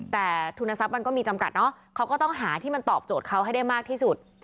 แต่ทุนทรัพย์มันก็มีจำกัดเนอะเขาก็ต้องหาที่มันตอบโจทย์เขาให้ได้มากที่สุด